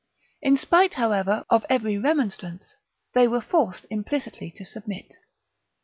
In spite, however, of every remonstrance, they were forced implicitly to submit.